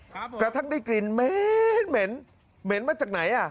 กระทั่งได้กลิ่นเหม็นเหม็นเหม็นมาจากไหนอ่ะ